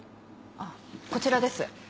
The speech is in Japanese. あっこちらです。